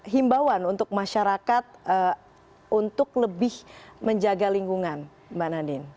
himbawan untuk masyarakat untuk lebih menjaga lingkungan mbak nadine